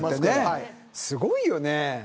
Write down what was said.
すごいよね。